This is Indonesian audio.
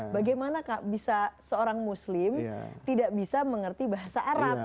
bagaimana bisa seorang muslim tidak bisa mengerti bahasa arab